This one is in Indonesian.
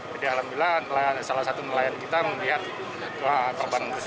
jadi alhamdulillah salah satu nelayan kita melihat